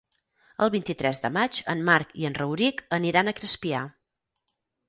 El vint-i-tres de maig en Marc i en Rauric aniran a Crespià.